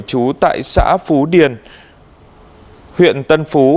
chú tại xã phú điền huyện tân phú